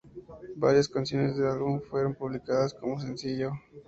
Varias canciones del álbum fueron publicadas como sencillo.